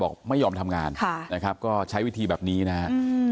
บอกไม่ยอมทำงานค่ะนะครับก็ใช้วิธีแบบนี้นะครับ